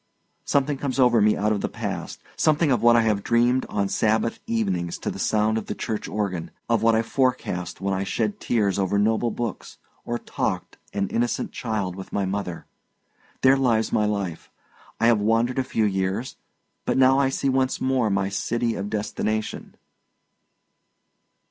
Something comes over me out of the past something of what I have dreamed on Sabbath evenings to the sound of the church organ, of what I forecast when I shed tears over noble books, or talked, an innocent child, with my mother. There lies my life; I have wandered a few years, but now I see once more my city of destination."